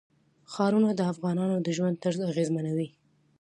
ښارونه د افغانانو د ژوند طرز اغېزمنوي.